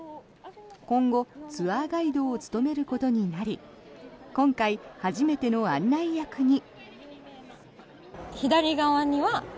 今後、ツアーガイドを務めることになり今回、初めての案内役に。